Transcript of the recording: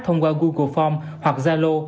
thông qua google form hoặc zalo